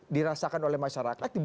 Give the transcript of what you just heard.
dirasakan oleh masyarakat